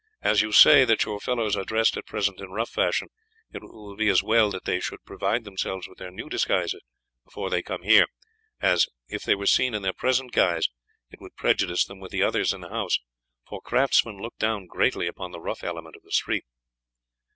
As you say that your fellows are dressed at present in rough fashion it will be as well that they should provide themselves with their new disguises before they come here, as, if they were seen in their present guise, it would prejudice them with the others in the house, for craftsmen look down greatly upon the rough element of the street."